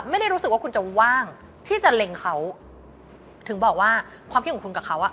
ไม่ได้รู้สึกว่าคุณจะว่างพี่จะเล็งเขาถึงบอกว่าความคิดของคุณกับเขาอ่ะ